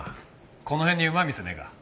この辺にうまい店ねえか？